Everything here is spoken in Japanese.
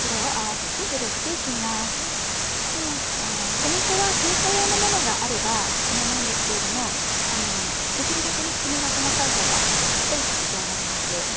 米粉は製菓用のものがあればおすすめなんですけれどもできるだけキメが細かいほうがしっとりと仕上がります。